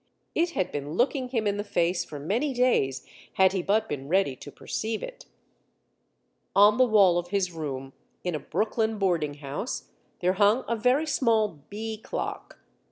It had been looking him in the face for many days had he but been ready to perceive it. On the wall of his room in a Brooklyn boarding house there hung a very small "Bee" clock.